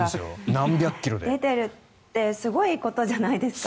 出ているってすごいことじゃないですか。